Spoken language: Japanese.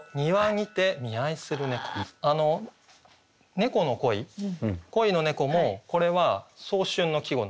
「猫の恋」「恋の猫」もこれは早春の季語なんです。